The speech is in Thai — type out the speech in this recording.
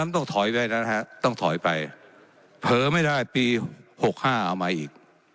ต้องถอยไปนะฮะต้องถอยไปเผลอไม่ได้ปี๖๕เอามาอีก